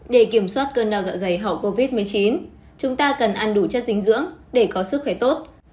để kiểm soát cơn đau dạ dày hậu covid một mươi chín chúng ta cần ăn đủ chất dinh dưỡng để có sức khỏe tốt